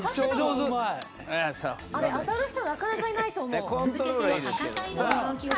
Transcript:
あれ、当たる人なかなかいないと思う。